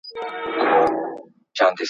آیا رخصتي تر کاري ورځي لنډه ښکاري؟